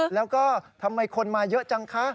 แล้วก็ทำไมคนมาเยอะจังคะ